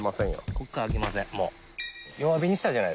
こっから開けません